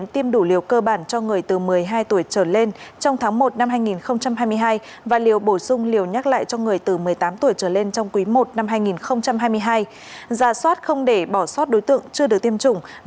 trong từ năm hai nghìn hai mươi một đến nay đơn vị đã tổ chức trả trị ra ứng đ beeping